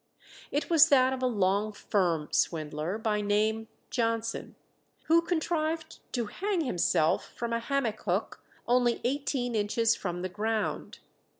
It was that of a "Long Firm" swindler, by name Johnson, who contrived to hang himself from a hammock hook only eighteen inches from the ground.